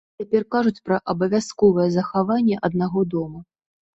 Цяпер кажуць пра абавязковае захаванне аднаго дома.